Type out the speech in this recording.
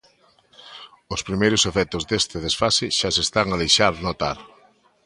Os primeiros efectos deste desfase xa se están a deixar notar.